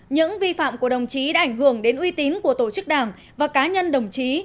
những vi phạm của đồng chí đã ảnh hưởng đến uy tín của tổ chức đảng và cá nhân đồng chí